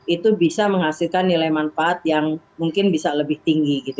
itu bisa menghasilkan nilai manfaat yang mungkin bisa lebih tinggi gitu